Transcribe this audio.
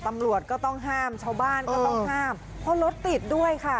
ตำรวจก็ต้องห้ามชาวบ้านก็ต้องห้ามเพราะรถติดด้วยค่ะ